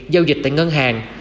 giao dịch tại ngân hàng